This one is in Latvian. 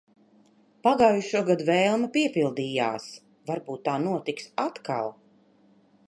Pagājušogad vēlme piepildījās. Varbūt tā notiks atkal.